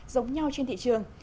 giống nhau trên thị trường